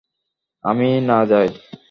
আমিই না যাই।